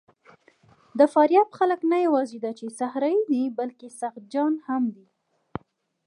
د فاریاب خلک نه یواځې دا چې صحرايي دي، بلکې سخت جان هم دي.